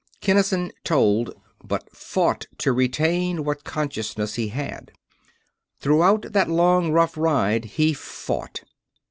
Kinnison told, but fought to retain what consciousness he had. Throughout that long, rough ride he fought.